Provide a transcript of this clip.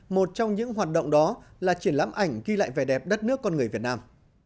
một trong những hoạt động đó là triển lãm ảnh ghi lại vẻ đẹp đất nước con người việt nam